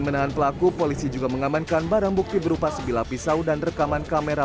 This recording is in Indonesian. menahan pelaku polisi juga mengamankan barang bukti berupa sebilah pisau dan rekaman kamera